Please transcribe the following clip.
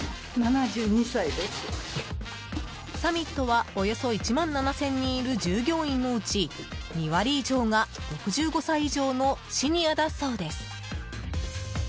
サミットはおよそ１万７０００人いる従業員のうち２割以上が６５歳以上のシニアだそうです。